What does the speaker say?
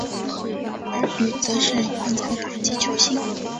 而与则是皇家的打击球星。